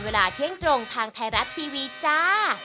เวลาเที่ยงตรงทางไทยรัฐทีวีจ้า